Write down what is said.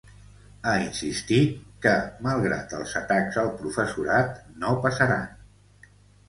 Ha insistit que, malgrat els ‘atacs’ al professorat, ‘no passaran’.